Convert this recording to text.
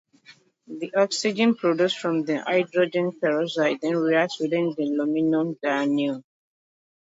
The oxygen produced from the hydrogen peroxide then reacts with the luminol dianion.